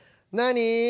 「何？」。